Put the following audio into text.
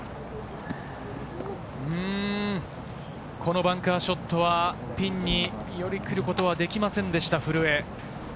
このバンカーショットはピンにより来ることはできませんでした、古江。